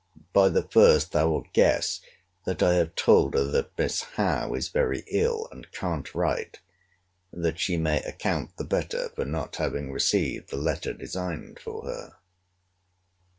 By the first thou'lt guess that I have told her that Miss Howe is very ill, and can't write; that she may account the better for not having received the letter designed for her.